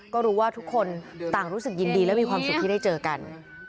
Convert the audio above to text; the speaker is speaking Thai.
ก็รู้ว่าทุกคนต่างรู้สึกยินดีและมีความสุขที่ได้เจอกัน